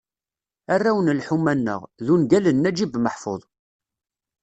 "Arraw n lḥuma-nneɣ" d ungal n Naǧib Meḥfuḍ.